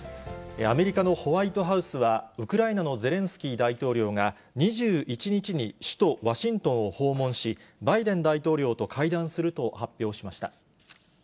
アメリカのホワイトハウスは、ウクライナのゼレンスキー大統領が、２１日に首都ワシントンを訪問し、バイデン大統領と会談すると発表しました。